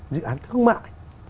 dự án thương mại